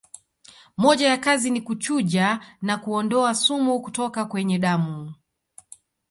Moja ya kazi ni kuchuja na kuondoa sumu kutoka kwenye damu